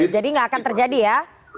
jadi gak akan terjadi ya